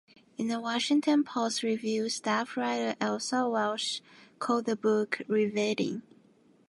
In a Washington Post review, staff writer Elsa Walsh called the book "riveting".